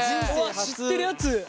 知ってるやつ！